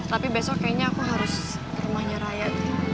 tapi besok kayaknya aku harus ke rumahnya raya